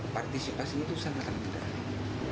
partisipasi itu sangat rendah